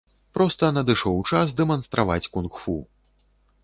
Проста надышоў час дэманстраваць кунг-фу.